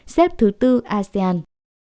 xếp thứ bốn asean